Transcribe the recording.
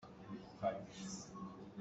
Na bia a hran ahcun mi an thin a hung lai.